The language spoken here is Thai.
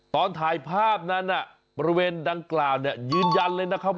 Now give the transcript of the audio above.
ตอนถ่ายภาพนั้นบริเวณดังกล่าวเนี่ยยืนยันเลยนะครับ